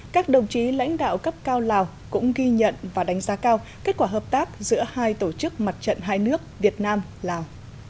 các đồng chí lãnh đạo cấp cao lào cũng ghi nhận và đánh giá cao kết quả hợp tác giữa hai tổ chức mặt trận hai nước việt nam lào